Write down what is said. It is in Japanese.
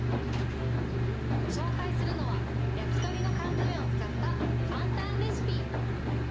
ご紹介するのは、焼き鳥の缶詰を使った簡単レシピ。